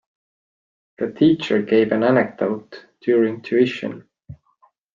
The teacher gave an anecdote during tuition.